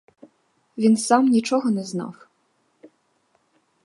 Він сам нічого не знав.